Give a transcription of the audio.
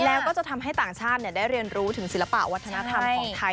แล้วก็จะทำให้ต่างชาติได้เรียนรู้ถึงศิลปะวัฒนธรรมของไทย